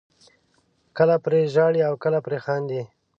کله پرې ژاړئ او کله پرې خاندئ.